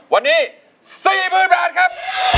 วันนี้๔๐๐๐บาทครับ